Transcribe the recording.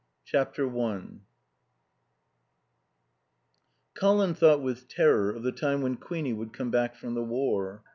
XI INTERIM i Colin thought with terror of the time when Queenie would come back from the war.